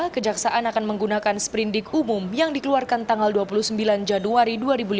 kejaksaan akan menggunakan sprindik umum yang dikeluarkan tanggal dua puluh sembilan januari dua ribu lima belas